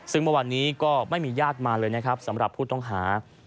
ซึ่งเมื่อวานนี้ก็ไม่มีญาติมาเลยนะครับสำหรับผู้ต้องหา